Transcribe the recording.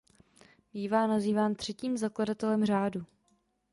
Bývá nazýván třetím zakladatelem řádu.